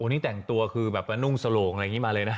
นี่แต่งตัวคือแบบนุ่งสโหลงอะไรอย่างนี้มาเลยนะ